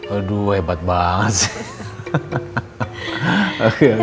aduh hebat banget sayang